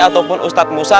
ataupun ustadz musa